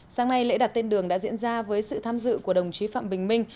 sáng nay lễ đặt tên đường đã diễn ra với sự tham dự của đồng chí phạm bình minh